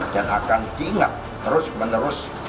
dan akan diingat terus menerus